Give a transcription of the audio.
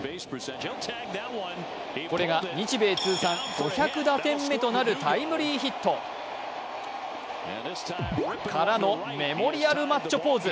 これが日米通算５００打点目となるタイムリーヒット。からのメモリアルマッチョポーズ。